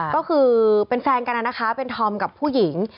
ก็คือเป็นแฟนกันนะคะเป็นธอมกับผู้หญิง